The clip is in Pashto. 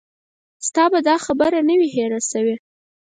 ستا به دا خبره نه وي هېره شوې.